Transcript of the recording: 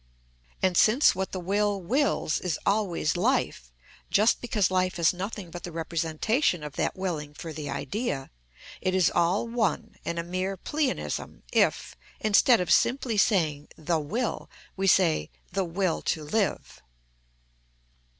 And since what the will wills is always life, just because life is nothing but the representation of that willing for the idea, it is all one and a mere pleonism if, instead of simply saying "the will," we say "the will to live."